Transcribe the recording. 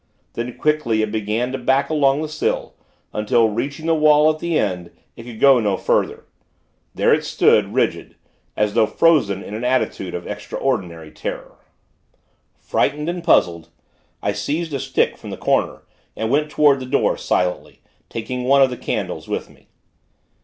Then, quickly, it began to back along the sill; until, reaching the wall at the end, it could go no further. There it stood, rigid, as though frozen in an attitude of extraordinary terror. Frightened, and puzzled, I seized a stick from the corner, and went toward the door, silently; taking one of the candles with me.